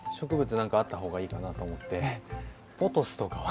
何かあった方がいいかなと思ってポトスとかは。